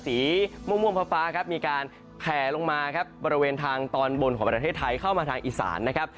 สีม่วงฟ้าครับมีการแผลลงมาครับบริเวณทางตอนบนของประเทศไทยเข้ามาทางอีสานนะครับ